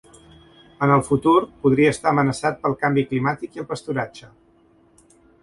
En el futur podria estar amenaçat pel canvi climàtic i el pasturatge.